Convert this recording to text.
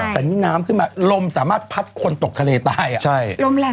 แต่นิดน้ำขึ้นมาลมสามารถพัดคนตกทะเลตาย